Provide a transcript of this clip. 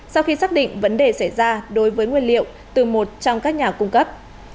sau khi xác định vấn đề xảy ra đối với nguyên liệu từ một trong các nhà cung cấp